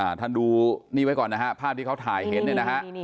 ด้วยนะครับดูนี้ไว้ก่อนนะฮะผ้าที่เขาถ่ายเห็นด้วยนะฮะ